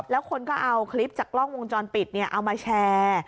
แล้วคนก็เอาคลิปจากกล้องวงจรปิดเอามาแชร์